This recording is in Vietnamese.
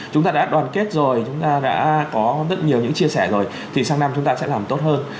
chúng ta đã đoàn kết rồi chúng ta đã có rất nhiều những chia sẻ rồi thì sang năm chúng ta sẽ làm tốt hơn